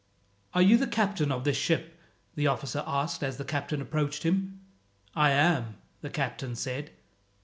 "Are you the captain of this ship?" the officer asked as the captain approached him. "I am," the captain said.